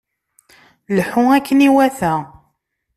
Lḥu akken iwata!